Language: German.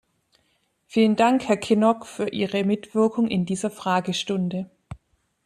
Vielen Dank, Herr Kinnock, für Ihre Mitwirkung in dieser Fragestunde.